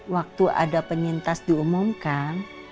waktu ada penyintas diumumkan